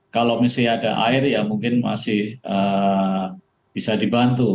kalau masih ada air ya mungkin masih bisa dibantu